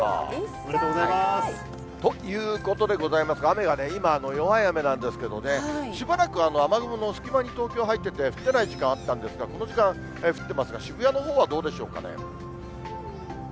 おめでとうございます。ということでございましたが、雨がね、今、弱い雨なんですけどね、しばらく雨雲の隙間に東京入ってて、降ってない時間あったんですが、この時間降ってますが、渋谷のほうはどうでしょうかね。